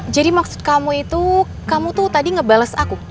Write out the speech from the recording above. jadi maksud kamu itu kamu tuh tadi ngebales aku